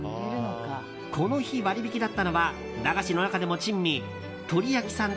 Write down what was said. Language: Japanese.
この日、割引だったのは駄菓子の中でも珍味とり焼さん